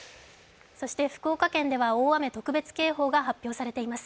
福岡県では大雨特別警報が発表されています。